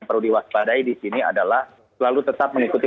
perlu diwaspadai di sini adalah selalu tetap mengikuti